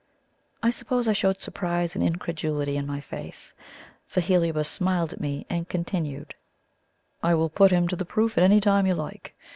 I suppose I showed surprise and incredulity in my face, for Heliobas smiled at me and continued: "I will put him to the proof at any time you like.